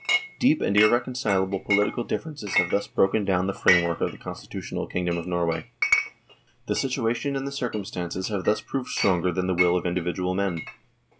" Deep and irreconcilable political differences have thus broken down the framework of the constitutional kingdom of Norway. The situation and the circum stances have thus proved stronger than the will of individual men.